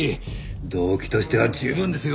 動機としては十分ですよ。